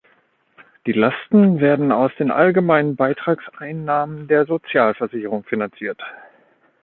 Die Lasten werden aus den allgemeinen Beitragseinnahmen der Sozialversicherung finanziert.